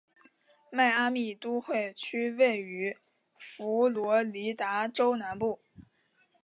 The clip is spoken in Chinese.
迈阿密都会区位于佛罗里达州南部。